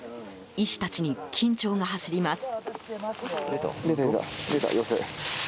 医師たちに緊張が走ります。